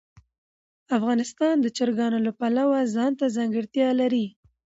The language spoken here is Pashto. افغانستان د چرګانو له پلوه ځانته ځانګړتیا لري.